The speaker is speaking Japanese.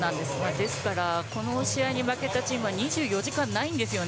ですからこの試合に負けたチームは２４時間ないんですよね